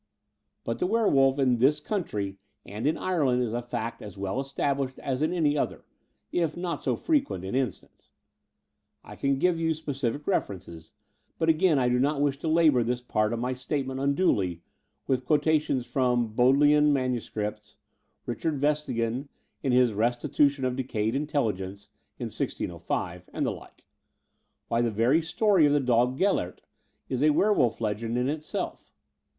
But the werewolf in this country and in Ireland is a fact as well established as in any other, if not so frequent in instance. I can give you specific references ; but again I do not wish to labour this part of my statement unduly with quotations from Bodleian MSS., Richard Verstegen in his 'Restitution of Decayed Intelli gence* in 1605, and the like. Why, the very story of the dog Gelert is a werewolf legend in itself!